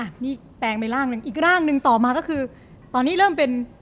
นี่แปลงไปร่างหนึ่งอีกร่างหนึ่งต่อมาก็คือตอนนี้เริ่มเป็น